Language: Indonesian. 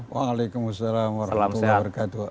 waalaikumsalam warahmatullahi wabarakatuh